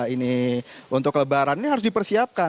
ini untuk kelebaran ini harus dipersiapkan